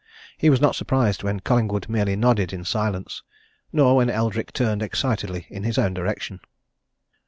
He was not surprised when Collingwood merely nodded in silence nor when Eldrick turned excitedly in his own direction.